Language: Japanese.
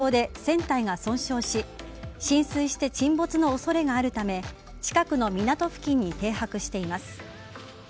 貨物船は衝突の影響で船体が損傷し浸水して沈没の恐れがあるため近くの港付近に停泊しています。